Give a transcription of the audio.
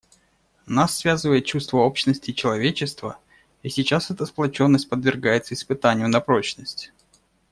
Нас связывает чувство общности человечества, и сейчас эта сплоченность подвергается испытанию на прочность.